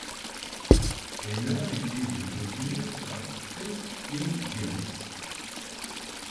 Elle a été développée par Telltale Games.